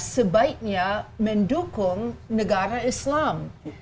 sebaiknya mendukung negara islam